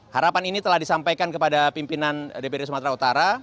harapan ini telah disampaikan kepada pimpinan dpd sumatera utara